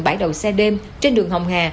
bãi đầu xe đêm trên đường hồng hà